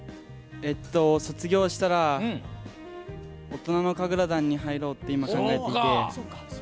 卒業したら大人の神楽団に入ろうって今、考えていて。